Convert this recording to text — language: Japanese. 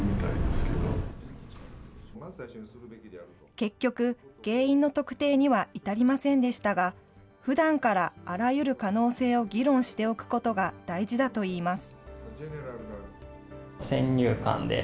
結局、原因の特定には至りませんでしたが、ふだんからあらゆる可能性を議論しておくことが大事だといいます。